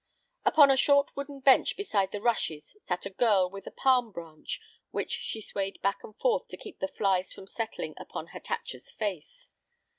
Upon a short wooden bench beside the rushes sat a girl with a palm branch, which she swayed back and forth to keep the flies from settling upon Hatatcha's face.